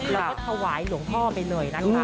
แล้วก็ถวายหลวงพ่อไปเลยนะคะ